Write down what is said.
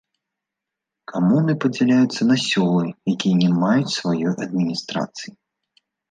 Камуны падзяляюцца на сёлы, якія не маюць сваёй адміністрацыі.